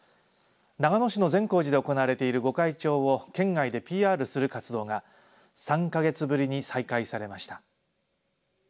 長野市の善光寺で行われている御開帳を県外でＰＲする活動が３か月ぶりに再開されました。